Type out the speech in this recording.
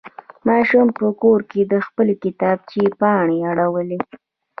ماشوم په کور کې د خپلې کتابچې پاڼې اړولې.